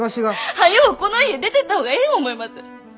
早うこの家出てった方がええ思います！